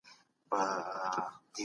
پښتو ژبه زموږ د ژوند د هرې بریا ملګرې ده